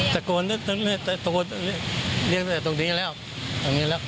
ตะโกรษน่ะละตะโกรษเลี้ยวแต่ตรงนี้แล้ว